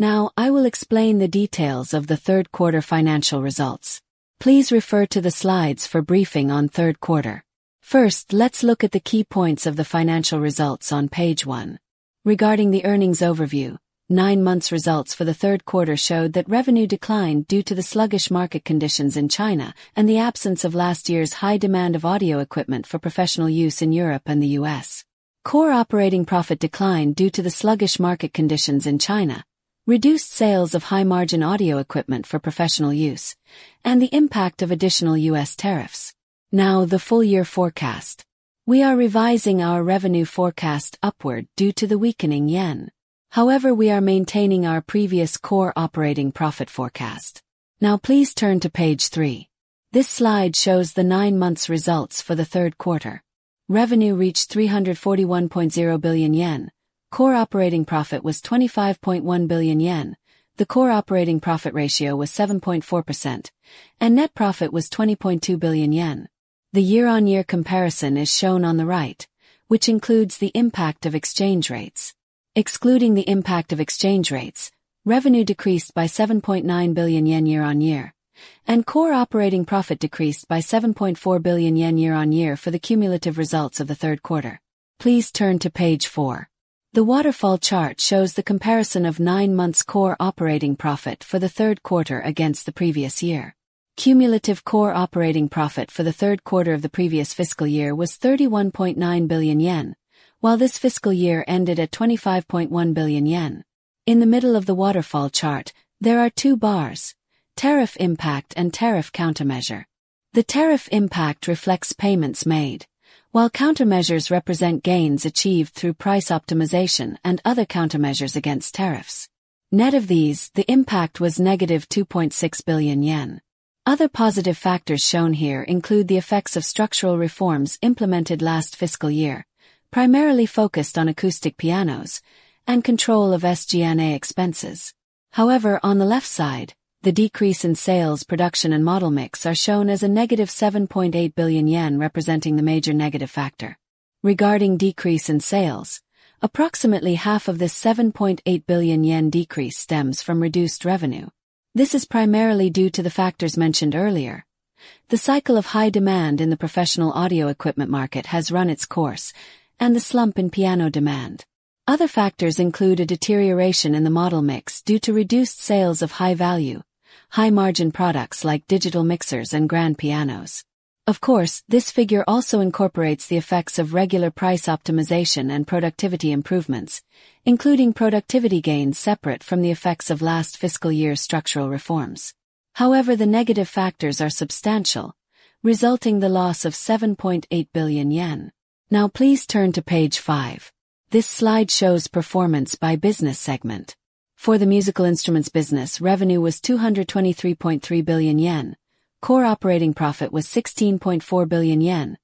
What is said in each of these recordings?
Now I will explain the details of the Q3 financial results. Please refer to the slides for briefing on Q3. First, let's look at the key points of the financial results on page one. Regarding the earnings overview, nine months results for the Q3 showed that revenue declined due to the sluggish market conditions in China and the absence of last year's high demand of Audio Equipment for professional use in Europe and the U.S. Core operating profit declined due to the sluggish market conditions in China, reduced sales of high-margin Audio Equipment for professional use, and the impact of additional U.S. tariffs. Now the full-year forecast. We are revising our revenue forecast upward due to the weakening yen. However, we are maintaining our previous core operating profit forecast. Now, please turn to page three. This slide shows the nine-months results for the Q3. Revenue reached 341.0 billion yen, core operating profit was 25.1 billion yen, the core operating profit ratio was 7.4%, and net profit was 20.2 billion yen. The year-on-year comparison is shown on the right, which includes the impact of exchange rates. Excluding the impact of exchange rates, revenue decreased by 7.9 billion yen year-on-year, and core operating profit decreased by 7.4 billion yen year-on-year for the cumulative results of the Q3. Please turn to page four. The waterfall chart shows the comparison of nine months core operating profit for the Q3 against the previous year. Cumulative core operating profit for the Q3 of the previous fiscal year was 31.9 billion yen, while this fiscal year ended at 25.1 billion yen. In the middle of the waterfall chart, there are two bars: Tariff Impact and Tariff Countermeasure. The tariff impact reflects payments made, while countermeasures represent gains achieved through price optimization and other countermeasures against tariffs. Net of these, the impact was -2.6 billion yen. Other positive factors shown here include the effects of structural reforms implemented last fiscal year, primarily focused on acoustic pianos, and control of SG&A expenses. However, on the left side, the decrease in sales, production, and model mix are shown as a -7.8 billion yen representing the major negative factor. Regarding decrease in sales, approximately half of this 7.8 billion yen decrease stems from reduced revenue. This is primarily due to the factors mentioned earlier: the cycle of high demand in the Professional audio equipment market has run its course, and the slump in piano demand. Other factors include a deterioration in the model mix due to reduced sales of high-value, high-margin products like digital mixers and grand pianos. Of course, this figure also incorporates the effects of regular price optimization and productivity improvements, including productivity gains separate from the effects of last fiscal year structural reforms. However, the negative factors are substantial, resulting in the loss of 7.8 billion yen. Now, please turn to page five. This slide shows performance by business segment. For the Musical Instruments business, revenue was 223.3 billion yen, core operating profit was 16.4 billion yen,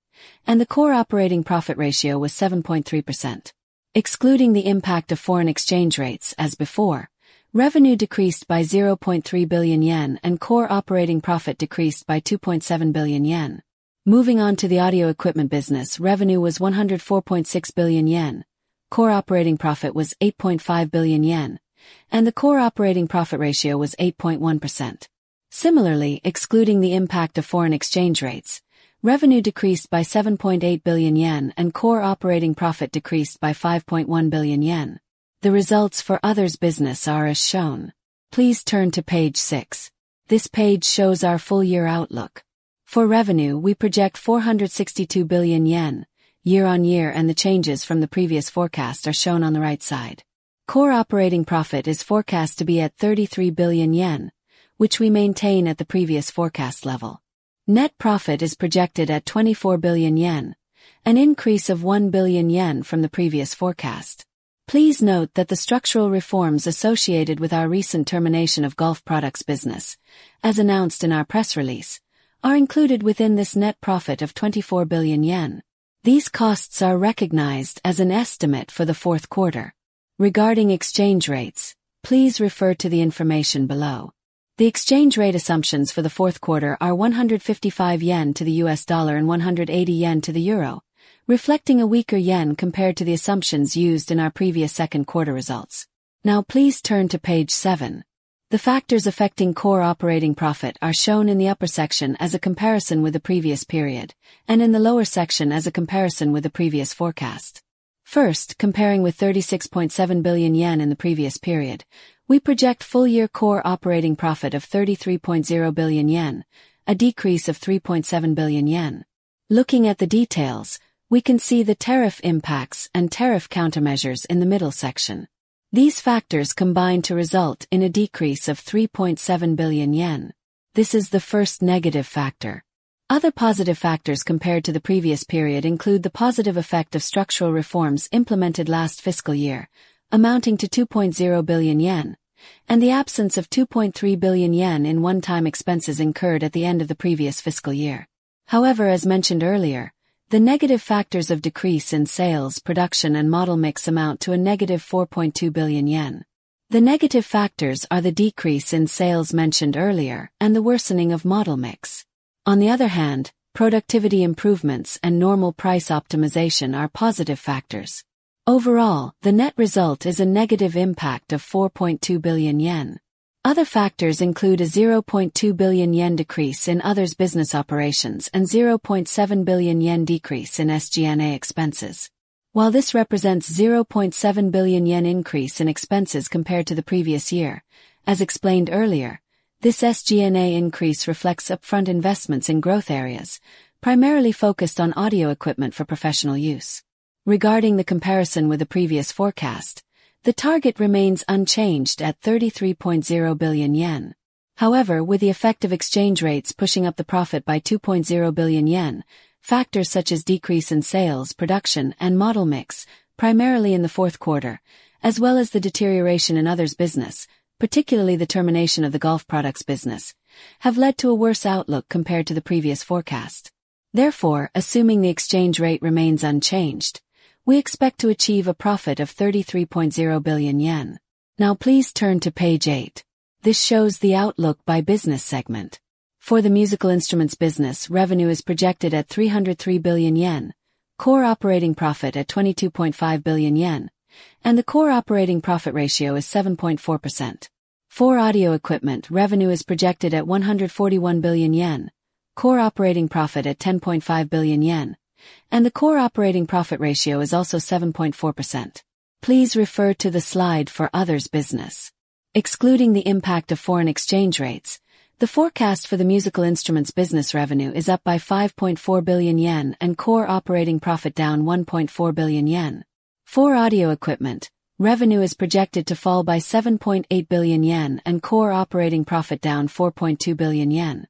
and the core operating profit ratio was 7.3%. Excluding the impact of foreign exchange rates, as before, revenue decreased by 0.3 billion yen, and core operating profit decreased by 2.7 billion yen. Moving on to the Audio Equipment business, revenue was 104.6 billion yen, core operating profit was 8.5 billion yen, and the core operating profit ratio was 8.1%. Similarly, excluding the impact of foreign exchange rates, revenue decreased by 7.8 billion yen, and core operating profit decreased by 5.1 billion yen. The results for Others business are as shown. Please turn to page six. This page shows our full-year outlook. For revenue, we project 462 billion yen, year-on-year, and the changes from the previous forecast are shown on the right side. Core operating profit is forecast to be at 33 billion yen, which we maintain at the previous forecast level. Net profit is projected at 24 billion yen, an increase of 1 billion yen from the previous forecast. Please note that the structural reforms associated with our recent termination of Golf Products business, as announced in our press release, are included within this net profit of 24 billion yen. These costs are recognized as an estimate for the Q4. Regarding exchange rates, please refer to the information below. The exchange rate assumptions for the Q4 are 155 yen to the U.S. dollar and 180 yen to the euro, reflecting a weaker yen compared to the assumptions used in our previous Q2 results. Now, please turn to page seven. The factors affecting core operating profit are shown in the upper section as a comparison with the previous period, and in the lower section as a comparison with the previous forecast. First, comparing with 36.7 billion yen in the previous period, we project full-year core operating profit of 33.0 billion yen, a decrease of 3.7 billion yen. Looking at the details, we can see the tariff impacts and tariff countermeasures in the middle section. These factors combine to result in a decrease of 3.7 billion yen. This is the first negative factor. Other positive factors compared to the previous period include the positive effect of structural reforms implemented last fiscal year, amounting to 2.0 billion yen, and the absence of 2.3 billion yen in one-time expenses incurred at the end of the previous fiscal year. However, as mentioned earlier, the negative factors of decrease in sales, production, and model mix amount to a -4.2 billion yen. The negative factors are the decrease in sales mentioned earlier and the worsening of model mix. On the other hand, productivity improvements and normal price optimization are positive factors. Overall, the net result is a negative impact of 4.2 billion yen. Other factors include a 0.2 billion yen decrease in Others business operations and 0.7 billion yen decrease in SG&A expenses. While this represents 0.7 billion yen increase in expenses compared to the previous year, as explained earlier, this SG&A increase reflects upfront investments in growth areas, primarily focused on Audio Equipment for professional use. Regarding the comparison with the previous forecast, the target remains unchanged at 33.0 billion yen. However, with the effect of exchange rates pushing up the profit by 2.0 billion yen, factors such as decrease in sales, production, and model mix, primarily in the Q4, as well as the deterioration in Others business, particularly the termination of the golf products business, have led to a worse outlook compared to the previous forecast. Therefore, assuming the exchange rate remains unchanged, we expect to achieve a profit of 33.0 billion yen. Now, please turn to page eight. This shows the outlook by business segment. For the Musical Instruments business, revenue is projected at 303 billion yen, core operating profit at 22.5 billion yen, and the core operating profit ratio is 7.4%. For Audio Equipment, revenue is projected at 141 billion yen, core operating profit at 10.5 billion yen, and the core operating profit ratio is also 7.4%. Please refer to the slide for Others business. Excluding the impact of foreign exchange rates, the forecast for the Musical Instruments business revenue is up by 5.4 billion yen and core operating profit down 1.4 billion yen. For Audio Equipment, revenue is projected to fall by 7.8 billion yen and core operating profit down 4.2 billion yen.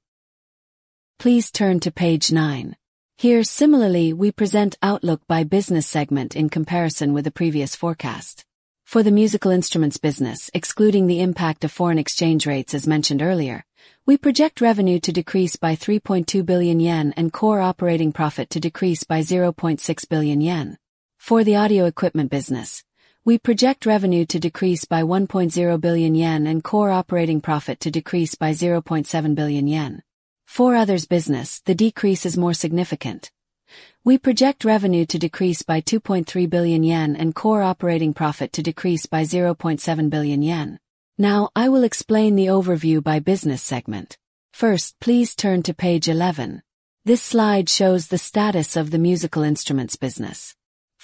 Please turn to page nine. Here, similarly, we present outlook by business segment in comparison with the previous forecast. For the Musical Instruments business, excluding the impact of foreign exchange rates as mentioned earlier, we project revenue to decrease by 3.2 billion yen and core operating profit to decrease by 0.6 billion yen. For the Audio Equipment business, we project revenue to decrease by 1.0 billion yen and core operating profit to decrease by 0.7 billion yen. For Others business, the decrease is more significant. We project revenue to decrease by 2.3 billion yen and core operating profit to decrease by 0.7 billion yen. Now, I will explain the overview by business segment. First, please turn to page 11. This slide shows the status of the Musical Instruments business.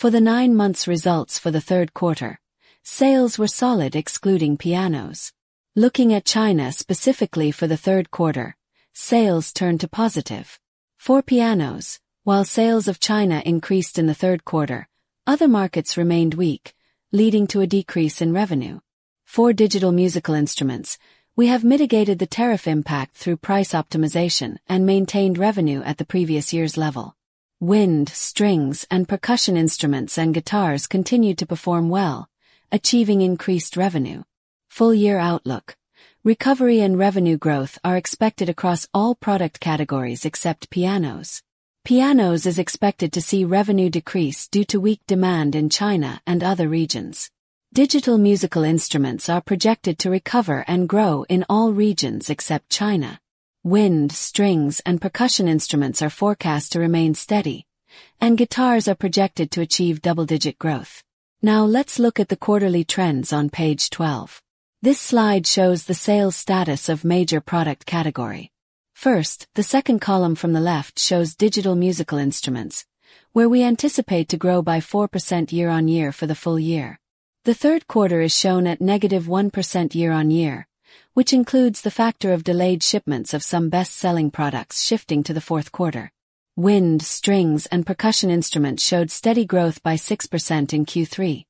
For the nine-months results for the Q3, sales were solid, excluding Pianos. Looking at China specifically for the Q3, sales turned to positive. For Pianos, while sales in China increased in the Q3, other markets remained weak, leading to a decrease in revenue. For Digital Musical Instruments, we have mitigated the tariff impact through price optimization and maintained revenue at the previous year's level. Wind, Strings, and Percussion Instruments, and Guitars continued to perform well, achieving increased revenue. Full-year outlook: Recovery and revenue growth are expected across all product categories except Pianos. Pianos is expected to see revenue decrease due to weak demand in China and other regions. Digital Musical Instruments are projected to recover and grow in all regions except China. Wind, Strings, and Percussion instruments are forecast to remain steady, and Guitars are projected to achieve double-digit growth. Now let's look at the quarterly trends on page 12. This slide shows the sales status of major product category. First, the second column from the left shows Digital Musical Instruments, where we anticipate to grow by 4% year-on-year for the full year. The Q3 is shown at -1% year-on-year, which includes the factor of delayed shipments of some best-selling products shifting to the Q4. Wind, strings, and percussion instruments showed steady growth by 6% in Q3,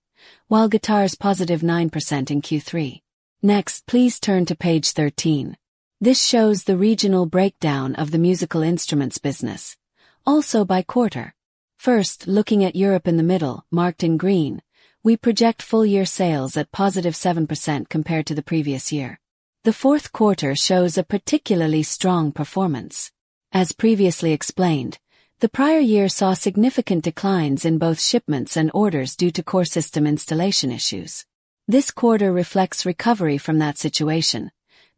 while Guitars positive 9% in Q3. Next, please turn to page 13. This shows the regional breakdown of the Musical Instruments business, also by quarter. First, looking at Europe in the middle, marked in green, we project full-year sales at positive 7% compared to the previous year. The Q4 shows a particularly strong performance. As previously explained, the prior year saw significant declines in both shipments and orders due to core system installation issues. This quarter reflects recovery from that situation,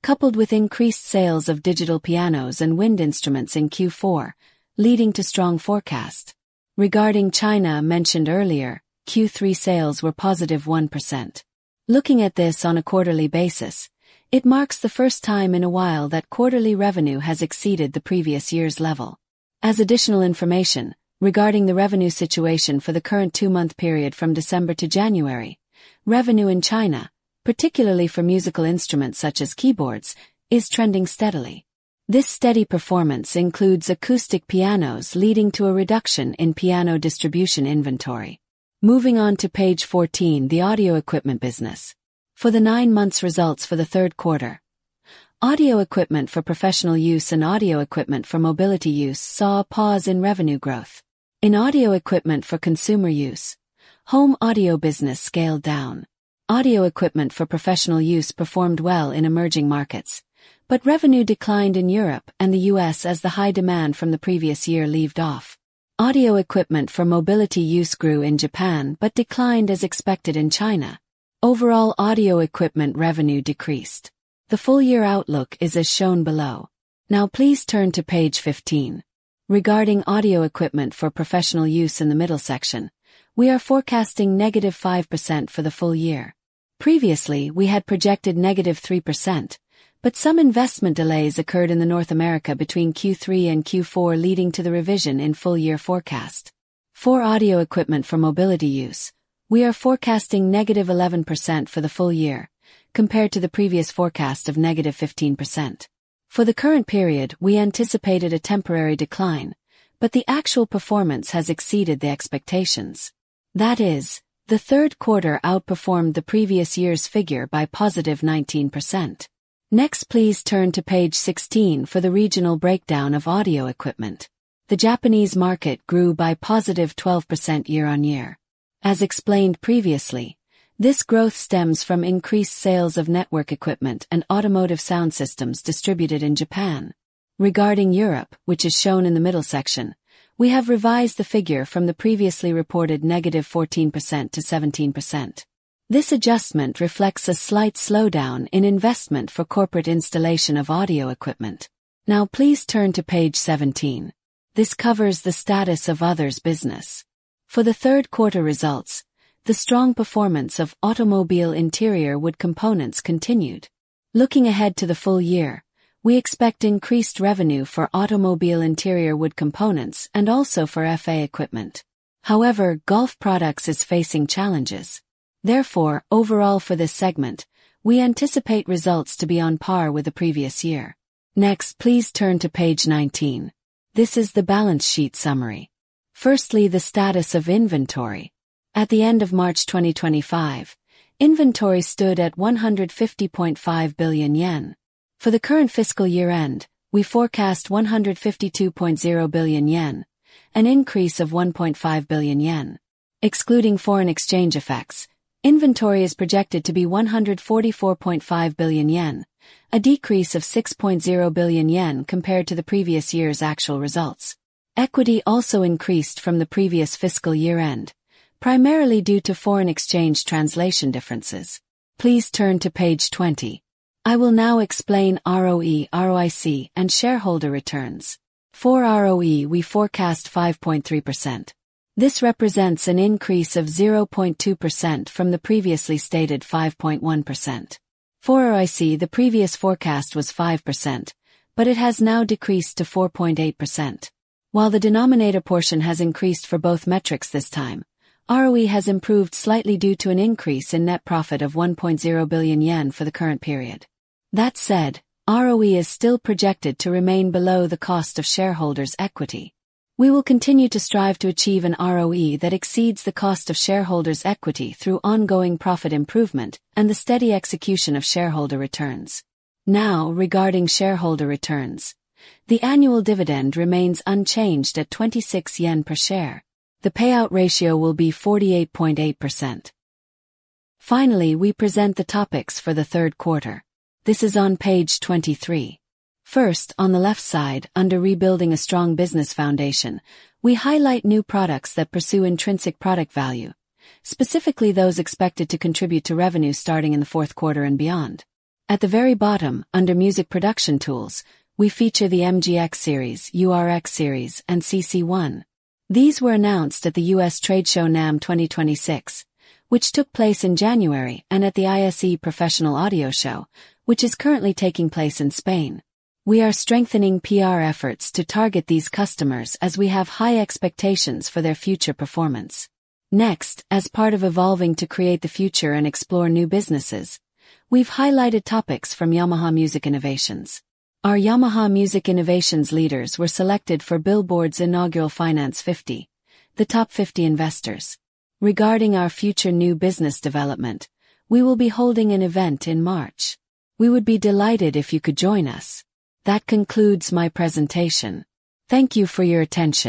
coupled with increased sales of Digital pianos and Wind instruments in Q4, leading to strong forecasts. Regarding China mentioned earlier, Q3 sales were +1%. Looking at this on a quarterly basis, it marks the first time in a while that quarterly revenue has exceeded the previous year's level. As additional information, regarding the revenue situation for the current two-month period from December to January, revenue in China, particularly for Musical Instruments such as keyboards, is trending steadily. This steady performance includes Acoustic pianos, leading to a reduction in piano distribution inventory. Moving on to page 14, the Audio Equipment business. For the nine-months results for the Q3: Audio equipment for professional use and Audio Equipment for mobility use saw a pause in revenue growth. In Audio Equipment for consumer use, home audio business scaled down. Audio Equipment for professional use performed well in emerging markets, but revenue declined in Europe and the U.S. as the high demand from the previous year leveled off. Audio Equipment for mobility use grew in Japan, but declined as expected in China. Overall, Audio Equipment revenue decreased. The full-year outlook is as shown below. Now, please turn to page 15. Regarding Audio Equipment for professional use in the middle section, we are forecasting -5% for the full year. Previously, we had projected -3%, but some investment delays occurred in North America between Q3 and Q4, leading to the revision in full-year forecast. For Audio Equipment for mobility use, we are forecasting -11% for the full year, compared to the previous forecast of -15%. For the current period, we anticipated a temporary decline, but the actual performance has exceeded the expectations. That is, the Q3 outperformed the previous year's figure by +19%. Next, please turn to page 16 for the regional breakdown of Audio Equipment. The Japanese market grew by +12% year-on-year. As explained previously, this growth stems from increased sales of network equipment and automotive sound systems distributed in Japan. Regarding Europe, which is shown in the middle section, we have revised the figure from the previously reported -14% to 17%. This adjustment reflects a slight slowdown in investment for corporate installation of Audio Equipment. Now, please turn to page 17. This covers the status of Others business. For the Q3 results, the strong performance of automobile interior wood components continued. Looking ahead to the full year, we expect increased revenue for automobile interior wood components and also for FA equipment. However, golf products are facing challenges. Therefore, overall for this segment, we anticipate results to be on par with the previous year. Next, please turn to page 19. This is the balance sheet summary. Firstly, the status of inventory. At the end of March 2025, inventory stood at 150.5 billion yen. For the current fiscal year-end, we forecast 152.0 billion yen, an increase of 1.5 billion yen. Excluding foreign exchange effects, inventory is projected to be 144.5 billion yen, a decrease of 6.0 billion yen compared to the previous year's actual results. Equity also increased from the previous fiscal year-end, primarily due to foreign exchange translation differences. Please turn to page 20. I will now explain ROE, ROIC, and shareholder returns. For ROE, we forecast 5.3%. This represents an increase of 0.2% from the previously stated 5.1%. For ROIC, the previous forecast was 5%, but it has now decreased to 4.8%. While the denominator portion has increased for both metrics this time, ROE has improved slightly due to an increase in net profit of 1.0 billion yen for the current period. That said, ROE is still projected to remain below the cost of shareholders' equity. We will continue to strive to achieve an ROE that exceeds the cost of shareholders' equity through ongoing profit improvement and the steady execution of shareholder returns. Now, regarding shareholder returns: The annual dividend remains unchanged at 26 yen per share. The payout ratio will be 48.8%. Finally, we present the topics for the Q3. This is on page 23. First, on the left side, under Rebuilding a Strong Business Foundation, we highlight new products that pursue intrinsic product value, specifically those expected to contribute to revenue starting in the Q4 and beyond. At the very bottom, under Music Production Tools, we feature the MGX Series, URX Series, and CC1. These were announced at the U.S. Trade Show NAMM 2026, which took place in January, and at the ISE Professional Audio Show, which is currently taking place in Spain. We are strengthening PR efforts to target these customers as we have high expectations for their future performance. Next, as part of evolving to create the future and explore new businesses, we've highlighted topics from Yamaha Music Innovations. Our Yamaha Music Innovations leaders were selected for Billboard's Inaugural Finance 50, the Top 50 Investors. Regarding our future new business development, we will be holding an event in March. We would be delighted if you could join us. That concludes my presentation. Thank you for your attention.